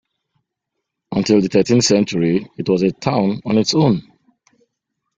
Until the thirteenth century, it was a town on its own.